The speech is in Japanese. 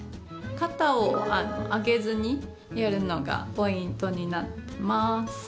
肩を上げずにやるのがポイントになってます。